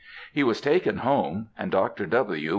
He was taken home and Dr. W.